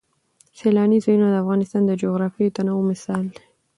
سیلانی ځایونه د افغانستان د جغرافیوي تنوع مثال دی.